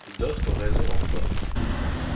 D’autres raisons encore.